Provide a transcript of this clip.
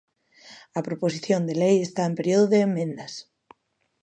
A proposición de lei está en período de emendas.